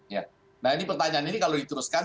ya nah ini pertanyaan ini kalau diteruskan